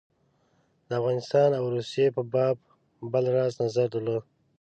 د افغانستان او روسیې په باب بل راز نظر درلود.